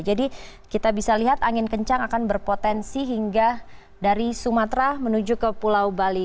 jadi kita bisa lihat angin kencang akan berpotensi hingga dari sumatera menuju ke pulau bali